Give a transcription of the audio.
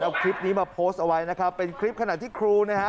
เอาคลิปนี้มาโพสต์เอาไว้นะครับเป็นคลิปขณะที่ครูนะฮะ